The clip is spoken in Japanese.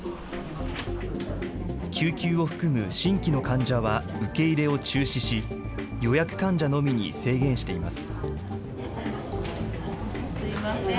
救急を含む新規の患者は受け入れを中止し、予約患者のみに制限しています。